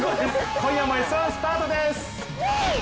今夜も「Ｓ☆１」スタートです。